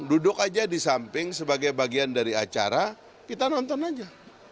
duduk aja di samping sebagai bagian dari acara kita nonton aja